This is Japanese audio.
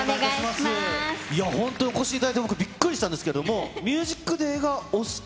いや、本当、お越しいただいて、僕、びっくりしたんですけども、ＴＨＥＭＵＳＩＣＤＡＹ